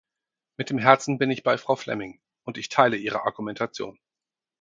Mit dem Herzen bin ich bei Frau Flemming, und ich teile ihre Argumentation.